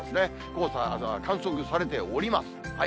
黄砂が観測されております。